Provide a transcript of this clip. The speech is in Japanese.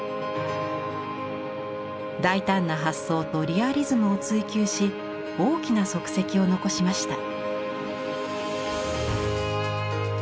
大胆な発想とリアリズムを追求し大きな足跡を残しました。